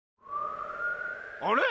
あれ？